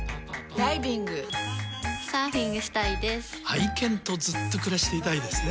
愛犬とずっと暮らしていたいですね。